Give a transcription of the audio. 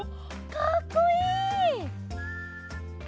かっこいい！